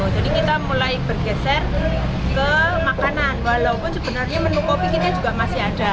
jadi kita mulai bergeser ke makanan walaupun sebenarnya menu kopi kita juga masih ada